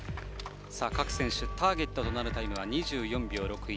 各選手、ターゲットタイムは２４秒６１。